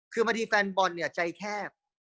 คือบางทีแฟนบอลเนี่ยใจแคบ